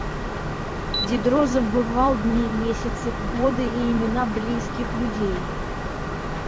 Дидро забывал дни, месяцы, годы и имена близких людей.